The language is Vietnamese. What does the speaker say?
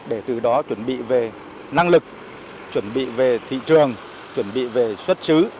để từ đó chuẩn bị về năng lực chuẩn bị về thị trường chuẩn bị về xuất xứ